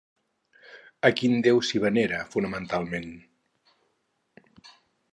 A quin déu s'hi venera, fonamentalment?